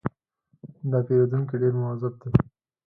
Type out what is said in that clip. دا پیرودونکی ډېر مؤدب دی.